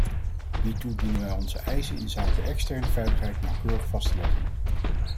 Hiertoe dienen wij onze eisen inzake externe veiligheid nauwkeurig vast te leggen.